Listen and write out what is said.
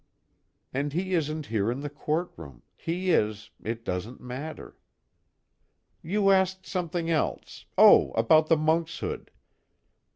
(And he isn't here in the courtroom he is it doesn't matter.) "You asked something else oh, about the monkshood.